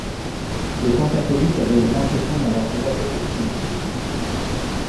Le camp catholique avait l'impression d'avoir déjà fait beaucoup de concessions.